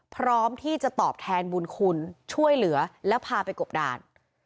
พร้อมที่จะตอบแทนบุญคุณช่วยเหลือแล้วพาไปกบด่าน